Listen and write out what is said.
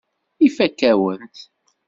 Ifakk-awen-t.